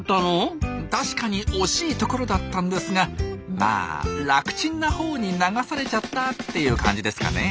たしかに惜しいところだったんですがまあ楽ちんなほうに流されちゃったっていう感じですかねえ。